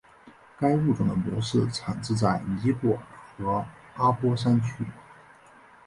该物种的模式产地在尼泊尔和阿波山区。